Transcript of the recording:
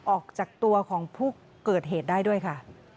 ออกจากตัวของผู้เกิดเหตุได้ด้วยค่ะ